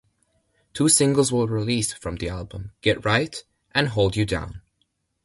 Two singles were released from the album: "Get Right" and "Hold You Down".